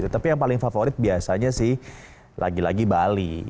tapi yang paling favorit biasanya sih lagi lagi bali